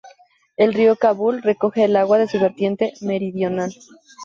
El río Kabul recoge el agua de su vertiente meridional.